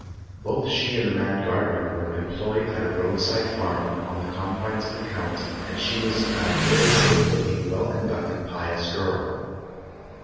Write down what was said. Both she and the man Gardner were employed at a roadside farm, on the confines of the county, and she was a very good looking, well conducted, pious girl.